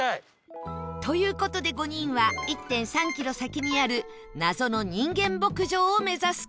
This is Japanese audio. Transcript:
という事で５人は １．３ キロ先にある謎の人間牧場を目指す事に